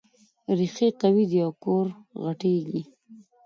ريښې قوي دي او کور غټېږي.